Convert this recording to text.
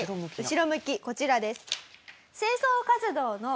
後ろ向きこちらです。